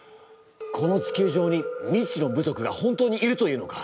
この地球上に未知の部族が本当にいるというのか？